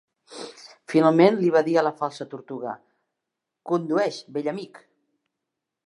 Finalment, li va dir a la Falsa Tortuga, "Condueix, vell amic!"